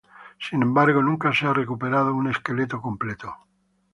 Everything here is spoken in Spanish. Sin embargo, nunca se ha recuperado un esqueleto completo.